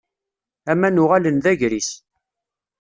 Aman uɣalen d agris.